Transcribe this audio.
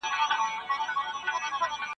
د کمپیوټر ساینس پوهنځۍ په بیړه نه بشپړیږي.